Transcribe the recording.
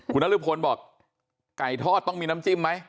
คุณนรพลบอกไก่ทอดต้องมีน้ำจิ้มไหม